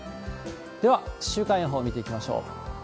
では週間予報見ていきましょう。